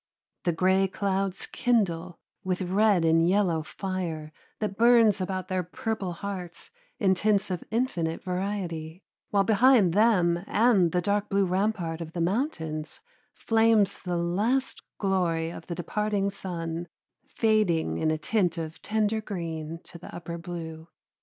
The gray clouds kindle with red and yellow fire that burns about their purple hearts in tints of infinite variety, while behind them and the dark blue rampart of the mountains flames the last glory of the departing sun, fading in a tint of tender green to the upper blue.